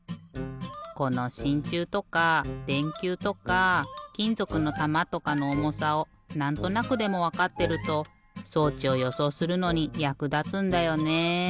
このしんちゅうとかでんきゅうとかきんぞくのたまとかのおもさをなんとなくでもわかってるとそうちをよそうするのにやくだつんだよね。